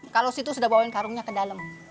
kalau situ sudah bawain karungnya ke dalam